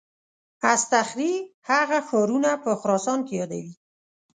اصطخري هغه ښارونه په خراسان کې یادوي.